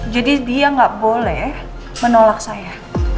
jadi dia gak boleh menolak saya